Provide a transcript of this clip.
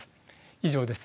以上です。